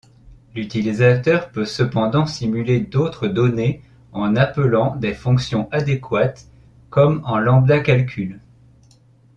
L’utilisateur peut cependant simuler d’autres données en appelant des fonctions adéquates, comme en lambda-calcul.